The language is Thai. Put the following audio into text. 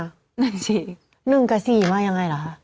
นั่นสิ๑กับ๔มายังไงเหรอคะ